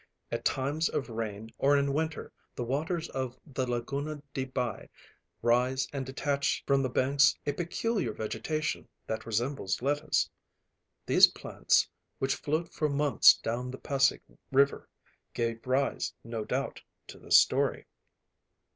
At times of rain or in winter the waters of the Laguna de Bai rise and detach from the banks a peculiar vegetation that resembles lettuce. These plants, which float for months down the Pasig River, gave rise, no doubt, to the story.